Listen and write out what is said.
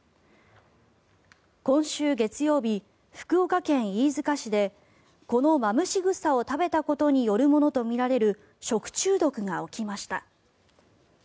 今週月曜日、福岡県飯塚市でこのマムシグサを食べたことによるものとみられる食中毒が起きました。